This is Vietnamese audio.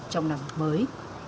trong năm mới